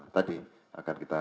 tadi akan kita beri